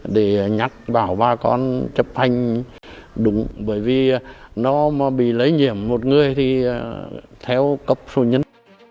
thì nhắc bảo bà con chấp hành đúng bởi vì nó mà bị lấy nhiệm một người thì theo cấp số nhất